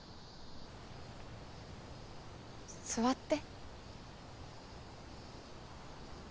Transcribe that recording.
座って。